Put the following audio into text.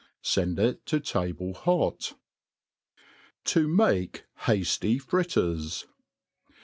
Send it to table hot. To make Hafly Fritters.